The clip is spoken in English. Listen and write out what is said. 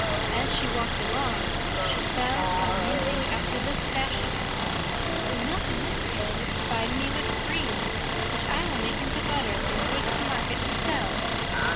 As she walked along, she fell a musing after this fashion: "The milk in this pail will provide me with cream, which I will make into butter and take to market to sell.